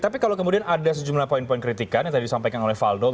tapi kalau kemudian ada sejumlah poin poin kritikan yang tadi disampaikan oleh valdo